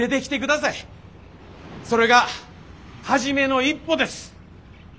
それが初めの一歩です。